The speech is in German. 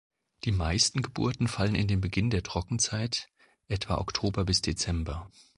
Die meisten Geburten fallen in den Beginn der Trockenzeit, etwa Oktober bis Dezember.